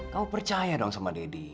kamu percaya dong sama deddy